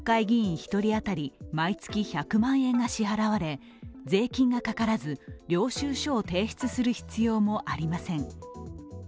一人当たり毎月１００万円が支払われ、税金がかからず領収書を提出する必要もありません。